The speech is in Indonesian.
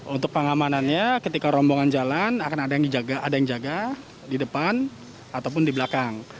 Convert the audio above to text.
untuk pengamanannya ketika rombongan jalan akan ada yang jaga di depan ataupun di belakang